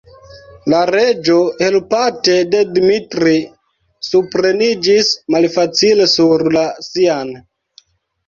La Reĝo, helpate de Dimitri, supreniĝis malfacile sur la sian.